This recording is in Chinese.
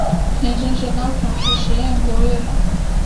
前身是高雄市实验国乐团。